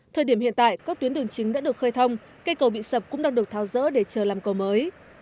thời điểm hiện tại các tuyến đường chính đã được khơi thông cây cầu bị sập cũng đang được tháo rỡ để chờ làm cầu mới